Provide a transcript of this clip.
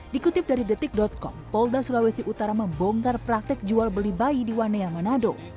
dikutip dari detik com polda sulawesi utara membongkar praktek jual beli bayi di wanea manado